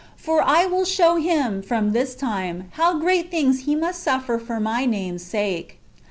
For I will show him, from this time, how great things he must suffer for my name's sake."""